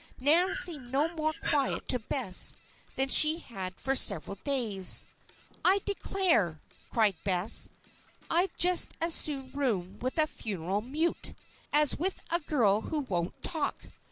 Nan seemed no more quiet to Bess than she had for several days. "I declare!" cried Bess. "I'd just as soon room with a funeral mute, as with a girl who won't talk.